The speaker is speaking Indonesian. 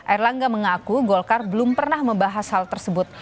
erlangga mengaku golkar belum pernah membahas hal tersebut